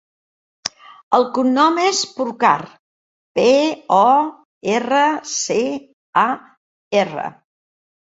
El cognom és Porcar: pe, o, erra, ce, a, erra.